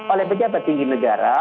oleh pejabat tinggi negara